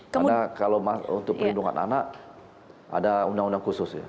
karena kalau untuk perlindungan anak ada undang undang khusus